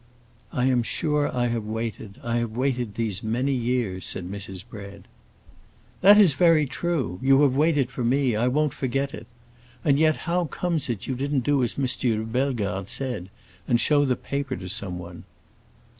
"I am sure I have waited; I have waited these many years," said Mrs. Bread. "That is very true. You have waited for me. I won't forget it. And yet, how comes it you didn't do as M. de Bellegarde said, show the paper to someone?"